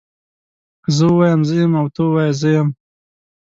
که زه ووایم زه يم او که ته ووايي زه يم